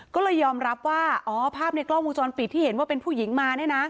ก็เลยยอมรับว่าอ๋อภาพในกล้องวงจรปิดที่เห็นว่าเป็นผู้หญิงมาเนี่ยนะ